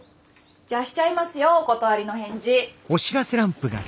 じゃあしちゃいますよお断りの返事。